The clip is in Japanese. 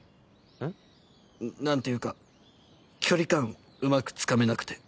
何ていうか距離感うまくつかめなくて。